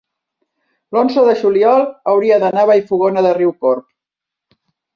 l'onze de juliol hauria d'anar a Vallfogona de Riucorb.